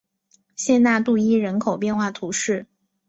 谢讷杜伊人口变化图示